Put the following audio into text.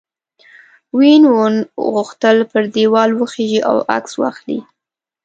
وین وون غوښتل پر دیوال وخیژي او عکس واخلي.